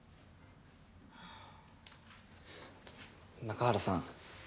中原さん。